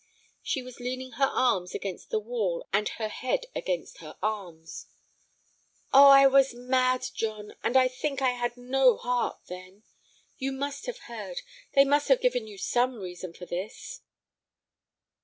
She was leaning her arms against the wall and her head against her arms. "Oh, I was mad, John, and I think I had no heart—then. You must have heard; they must have given you some reason for this."